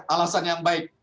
alasan yang baik